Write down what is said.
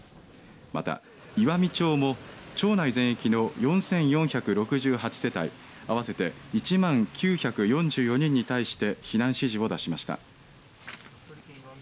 また岩美町も町内全域の４４６８世帯合わせて１万９４４人に対して避難指示を出しました。